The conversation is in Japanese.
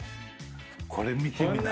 これ見てみな。